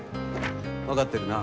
わかってるな？